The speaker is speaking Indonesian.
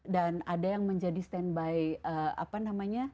dan ada yang menjadi stand by apa namanya